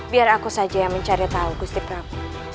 biar aku saja yang mencari tahu gusti prabu